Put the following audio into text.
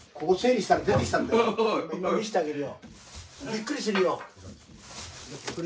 びっくりするよ。